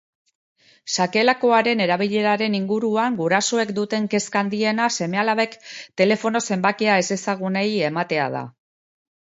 Sakelakoaren erabileraren inguruan gurasoek duten kezka handiena seme-alabek telefono zenbakia ezezagunei ematea da.